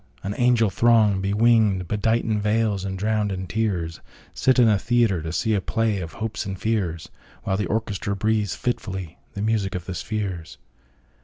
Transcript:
An angel throng, bewinged, bedightIn veils, and drowned in tears, Sit in a theatre, to seeA play of hopes and fears, While the orchestra breathes fitfullyThe music of the spheres.